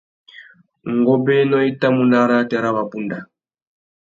Ngôbēnô i tà mú nà arrātê râ wabunda .